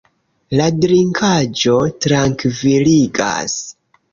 La drinkaĵo trankviligas.